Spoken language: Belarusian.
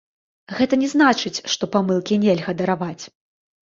Гэта не значыць, што памылкі нельга дараваць.